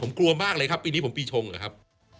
ผมกลัวมากเลยครับปีนี้ผมปีชงเหรอครับ